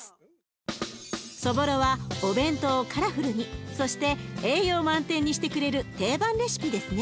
そぼろはお弁当をカラフルにそして栄養満点にしてくれる定番レシピですね。